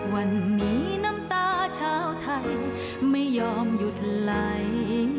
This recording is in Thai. วันนี้น้ำตาชาวไทยไม่ยอมหยุดไหล